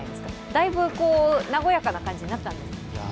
だいぶ和やかな感じになったんですか。